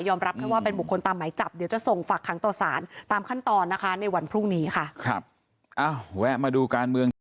ยอมรับว่าเป็นบุคคลตามหมายจับเดี๋ยวจะส่งฝากทางโตรศาลตามขั้นตอนในวันพรุ่งนี้ค่ะ